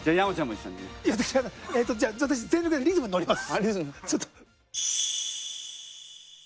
えっとじゃあ私全力でリズムに乗ります。